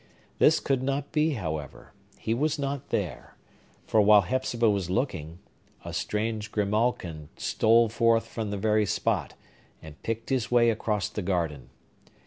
This could not be, however; he was not there; for, while Hepzibah was looking, a strange grimalkin stole forth from the very spot, and picked his way across the garden.